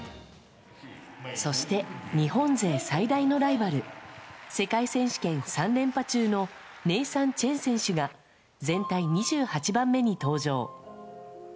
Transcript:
そして、日本勢最大のライバル、世界選手権３連覇中のネイサン・チェン選手が、全体２８番目に登場。